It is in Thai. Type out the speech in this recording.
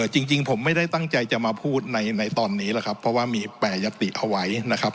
จริงผมไม่ได้ตั้งใจจะมาพูดในตอนนี้แหละครับเพราะว่ามีแปรยติเอาไว้นะครับ